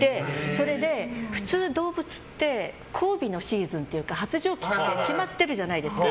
それで普通、動物って交尾のシーズンというか発情期って決まっているじゃないですか。